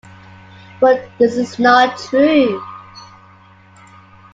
But this is not true.